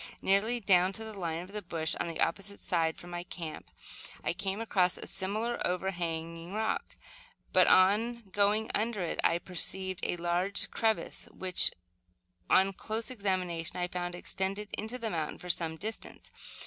Nearly down to the line of the bush on the opposite side from my camp, I came across a similar over hanging rock; but on going under it, I perceived a large crevice, which, on close examination, I found extended into the mountain for some distance.